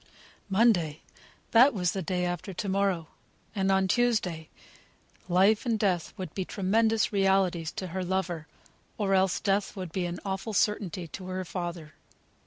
Monday: that was the day after to morrow, and on Tuesday, life and death would be tremendous realities to her lover; or else death would be an awful certainty to her father.